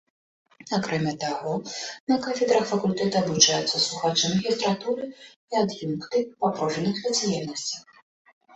Акрамя таго, на кафедрах факультэта абучаюцца слухачы магістратуры і ад'юнкты па профільных спецыяльнасцях.